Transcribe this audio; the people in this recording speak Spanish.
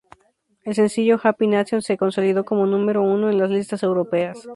El sencillo "Happy Nation" se consolidó como número uno en las listas europeas.